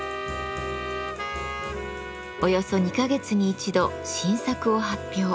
およそ２か月に１度新作を発表。